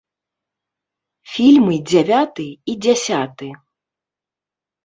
Фільмы дзявяты і дзясяты.